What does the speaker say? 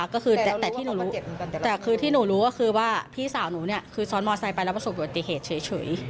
ก็คือแต่ที่หนูรู้แต่คือที่หนูรู้ก็คือว่าพี่สาวหนูเนี่ยคือซ้อนมอไซค์ไปแล้วประสบอุบัติเหตุเฉย